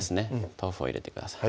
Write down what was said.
豆腐を入れてください